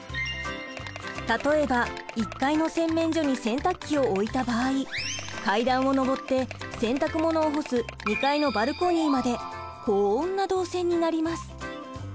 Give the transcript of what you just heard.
例えば１階の洗面所に洗濯機を置いた場合階段を上って洗濯物を干す２階のバルコニーまでこんな動線になります。